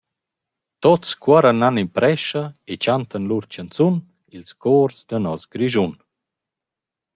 Tuots cuorran nan in prescha, e chantan lur chanzun, ils cors da nos Grischun.